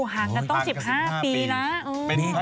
ห่างกันต้อง๑๕ปีแล้ว